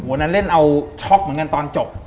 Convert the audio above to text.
วันนั้นเล่นเอาช็อกเหมือนกันตอนจบ